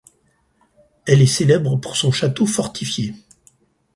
Elle est célèbre pour son château fortifié.